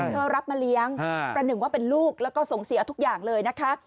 รับมาเลี้ยงประหนึ่งว่าเป็นลูกแล้วก็ส่งเสียทุกอย่างเลยนะคะ